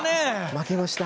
負けました。